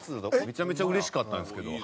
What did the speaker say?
めちゃめちゃうれしかったんですけど。